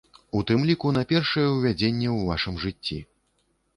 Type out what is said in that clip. У тым ліку на першае ўвядзенне ў вашым жыцці.